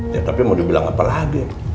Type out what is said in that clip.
ya tapi mau dibilang apa lagi